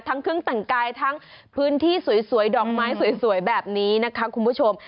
ทั้งเครื่องแต่งกายทั้งพื้นที่สวยดอกไม้สวยแบบนี้นะคะคุณผู้ชม